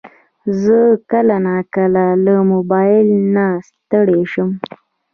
زه کله ناکله له موبایل نه ستړی شم.